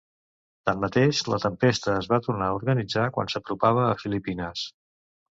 Tanmateix, la tempesta es va tornar a organitzar quan s'apropava a Filipines.